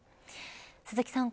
鈴木さん